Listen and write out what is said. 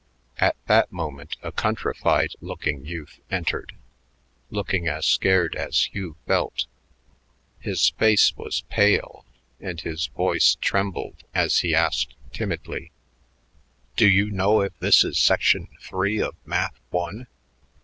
At that moment a countrified looking youth entered, looking as scared as Hugh felt. His face was pale, and his voice trembled as he asked timidly, "Do you know if this is Section Three of Math One?"